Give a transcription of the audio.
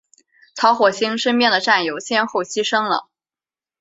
曹火星身边的战友先后牺牲了。